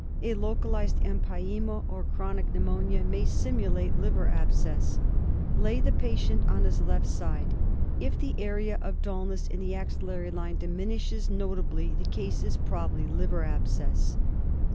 A localised empyema or chronic pneumonia may simulate liver abscess. Lay the patient on his left side. If the area of dulness in the axillary line diminishes notably the case is probably liver abscess.